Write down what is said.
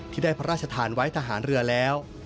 ที่ได้พระราชทานไว้ทหารเรือแล้ว